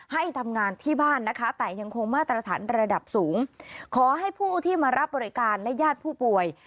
ให้ทำงานที่บ้านนะคะแต่ยังคงมาตรฐานระดับสูงขอให้ผู้ที่มารับบริการและญาติผู้ป่วย